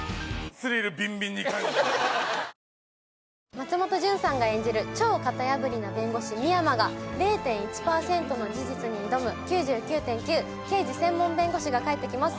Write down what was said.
松本潤さんが演じる超型破りな弁護士深山が０．１％の事実に挑む「９９．９−刑事専門弁護士−」が帰ってきます